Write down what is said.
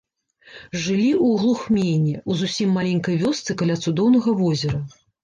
Жылі ў глухмені, у зусім маленькай вёсцы каля цудоўнага возера.